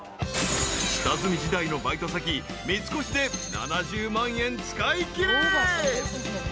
［下積み時代のバイト先三越で７０万円使いきれ］